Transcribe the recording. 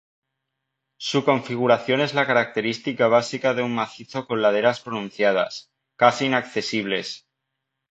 Su configuración es la característica básica de un macizo con laderas pronunciadas, casi inaccesibles.